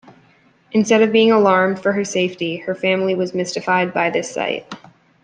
Instead of being alarmed for her safety, her family was mystified by this sight.